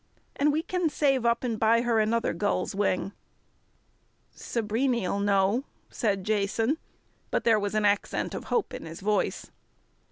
And we can save up and buy her another gull's wing." "Sabriny'll know," said Jason, but there was an accent of hope in his voice.